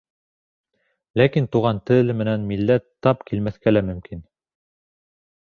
Ләкин туған тел менән милләт тап килмәҫкә лә мөмкин.